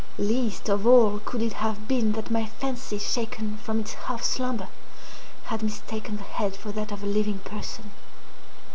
Least of all, could it have been that my fancy, shaken from its half slumber, had mistaken the head for that of a living person.